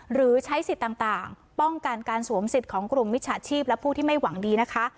หรือใช้สิทธิ์ต่างป้องกันการสวมสิทธิ์ของกลุ่มมิจฉาชีพและผู้ที่ไม่หวังดีนะคะ